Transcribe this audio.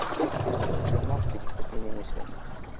Йомаҡ бит һеҙ минең өсөн